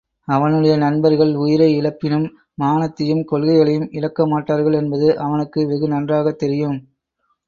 அவனுடைய நண்பர்கள் உயிரை இழப்பினும், மானத்தையும், கொள்கைகளையும் இழக்க மாட்டார்கள் என்பது அவனுக்கு வெகு நன்றாகத்தெரியும்.